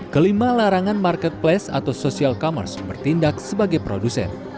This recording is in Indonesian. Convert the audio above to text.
kelima larangan marketplace atau social commerce bertindak sebagai produsen